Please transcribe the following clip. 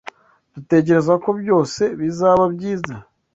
Dutekereza ko byose bizaba byiza.